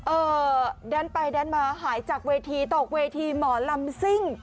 เออดันไปดันมาหายจากเวทีตกเวทีหมอลำซิ่ง